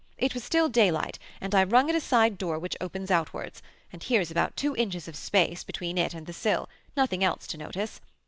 It was still daylight, and I rung at a side door which opens outwards, and here's about two inches of space between it and the sill; nothing else to notice.